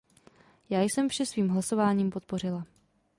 Já jsem vše svým hlasováním podpořila.